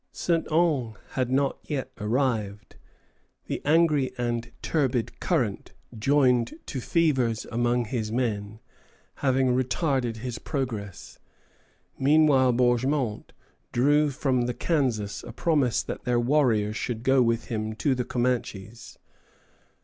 Saint Ange had not yet arrived, the angry and turbid current, joined to fevers among his men, having retarded his progress. Meanwhile Bourgmont drew from the Kansas a promise that their warriors should go with him to the Comanches.